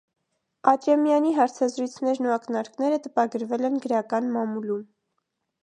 Աճեմյանի հարցազրույցներն ու ակնարկները տպագրվել են գրական մամուլում։